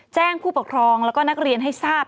ผู้ปกครองแล้วก็นักเรียนให้ทราบ